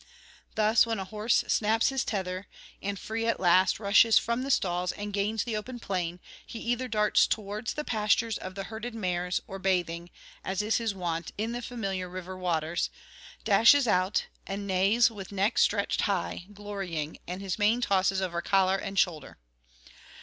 Thus when a horse snaps his tether, and, free at last, rushes from the stalls and gains the open plain, he either darts towards the pastures of the herded mares, or bathing, as is his wont, in the familiar river waters, dashes out and neighs with neck stretched high, glorying, and his mane tosses over collar and shoulder.